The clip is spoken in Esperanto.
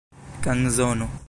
kanzono